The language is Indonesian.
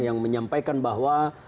yang menyampaikan bahwa